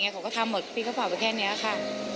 เขาก็ทำหมดแค่วงศพภาวน์แค่นี้ค่ะ